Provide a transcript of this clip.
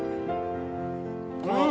うん！